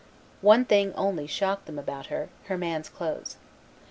One thing only shocked them about her her man's clothes.